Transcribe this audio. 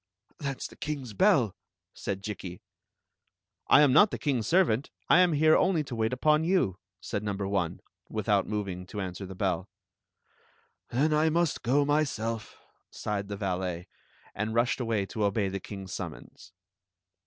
"That s the kings bell," said Jikki. "I am not the kings servant; I am here only to wait upon you," said number one, without moving to answer the belL Story of the Magic Cloak ,,5 "Then I must go myself/' sighed the valet, and rushed away to obey the kings summons.